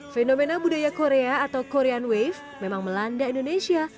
fenomena budaya korea atau korean wave memang melanda indonesia